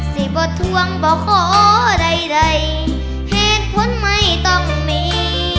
สิบ่ทวงบ่ขอใดใดเหตุผลไม่ต้องมี